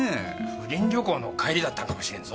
不倫旅行の帰りだったのかもしれんぞ？